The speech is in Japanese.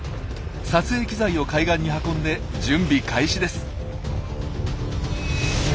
撮影機材を海岸に運んで準備開始です。